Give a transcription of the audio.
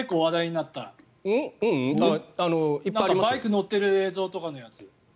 なんかバイク乗ってる映像とかのやつ。